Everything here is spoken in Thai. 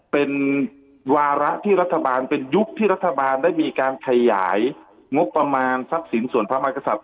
เป็นวาระที่รัฐบาลเป็นยุคที่รัฐบาลได้มีการขยายงบประมาณทรัพย์สินส่วนพระมากษัตริย